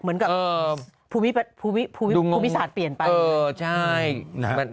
เหมือนกับภูมิศาสตร์เปลี่ยนไปใช่ไหมครับดูงงเออใช่